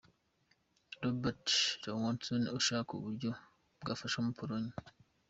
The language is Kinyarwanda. Robert Lewandowski ashaka uburyo bwafasha Pologne .